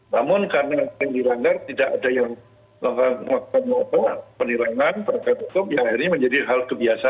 namun karena yang paling dilanggar tidak ada yang mengaku penilaian perangkat hukum yang akhirnya menjadi hal kebiasaan